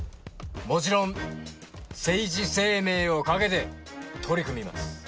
もちろん政治生命を賭けて取り組みます。